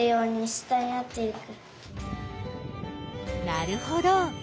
なるほど。